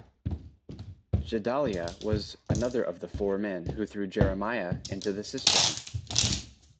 Gedaliah was another of the four men who threw Jeremiah into the cistern.